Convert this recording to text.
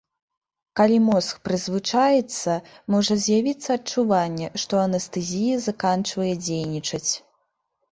Калі мозг прызвычаіцца, можа з'явіцца адчуванне, што анестэзія заканчвае дзейнічаць.